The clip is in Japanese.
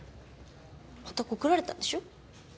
また告られたんでしょ？